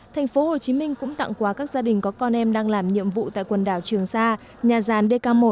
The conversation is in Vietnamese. tp hcm cũng tặng quà các gia đình có con em đang làm nhiệm vụ tại quần đảo trường sa nhà gian dk một